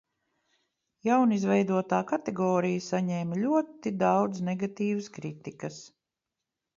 Jaunizveidotā kategorija saņēma ļoti daudz negatīvas kritikas.